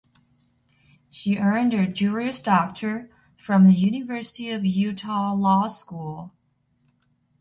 She earned her Juris Doctor from the University of Utah Law School.